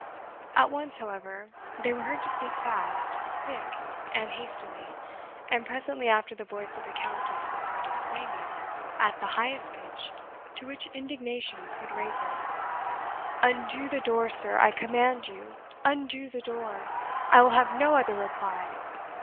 At once, however, they were heard to speak fast, thick, and hastily; and presently after the voice of the Countess was heard exclaiming, at the highest pitch to which indignation could raise it, "Undo the door, sir, I command you! undo the door! I will have no other reply!"